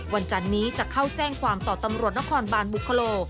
จันนี้จะเข้าแจ้งความต่อตำรวจนครบานบุคโล